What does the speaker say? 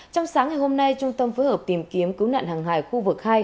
trong sáng ngày hôm nay trung tâm phối hợp tìm kiếm cứu nạn hàng hải khu vực hai